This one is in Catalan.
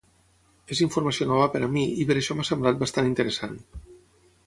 És informació nova per a mi i per això m'ha semblat bastant interessant.